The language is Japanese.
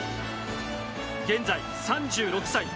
現在３６歳。